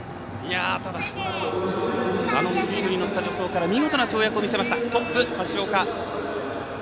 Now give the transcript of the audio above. あのスピードに乗った助走から見事な跳躍を見せましたトップの橋岡。